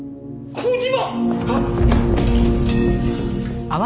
小島！